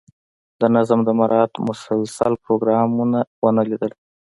د نظم د مراعات مسلسل پروګرام ونه لیدل.